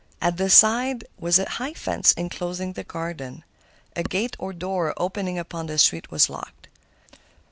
At the side was a high fence enclosing the garden. A gate or door opening upon the street was locked.